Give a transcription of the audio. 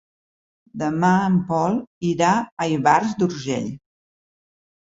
Demà en Pol irà a Ivars d'Urgell.